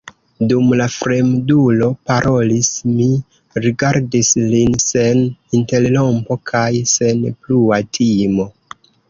Dum la fremdulo parolis, mi rigardis lin sen interrompo kaj sen plua timo.